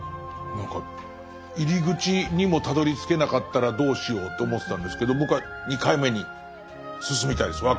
何か入り口にもたどりつけなかったらどうしようって思ってたんですけど僕は２回目に進みたいです。